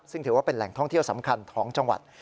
ซึ่งถือว่าเป็นแหล่งท่องเที่ยวสำคัญของจังหวัด